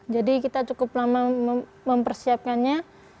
jadi kita cukup lama mempersiapkannya